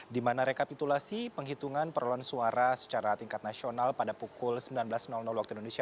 di mana rekapitulasi penghitungan perolahan suara secara tingkat nasional pada pukul sembilan belas waktu indonesia